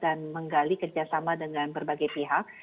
dan menggali kerjasama dengan berbagai pihak